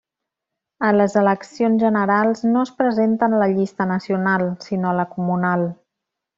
A les eleccions generals no es presenta en la llista nacional sinó a la comunal.